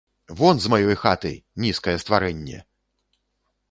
Вон з маёй хаты, нізкае стварэнне!